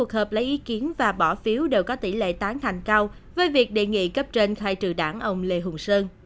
trường hợp lấy ý kiến và bỏ phiếu đều có tỷ lệ tán thành cao với việc đề nghị cấp trên khai trừ đảng ông lê hùng sơn